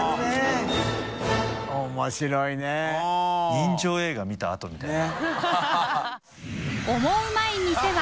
人情映画見たあとみたいな。